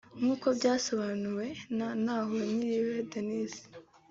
nk’uko byasobanuwe na Ntahonkiriye Desire